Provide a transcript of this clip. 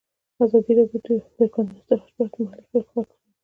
ازادي راډیو د د کانونو استخراج په اړه د محلي خلکو غږ خپور کړی.